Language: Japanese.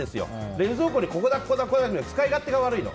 冷蔵庫に、ここだ、ここだって使い勝手が悪いの。